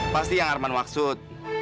pasti yang arman maksud